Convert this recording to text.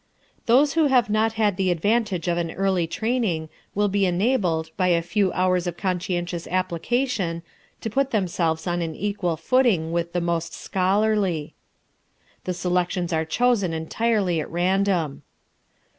Those who have not had the advantage of an early training will be enabled, by a few hours of conscientious application, to put themselves on an equal footing with the most scholarly. The selections are chosen entirely at random.